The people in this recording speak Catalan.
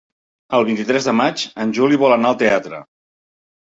El vint-i-tres de maig en Juli vol anar al teatre.